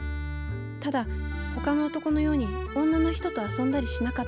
ただほかの男のように女の人と遊んだりしなかった。